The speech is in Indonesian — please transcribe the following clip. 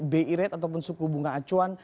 bi rate ataupun suku bunga acuan